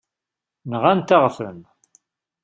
Nɣant-aɣ-ten.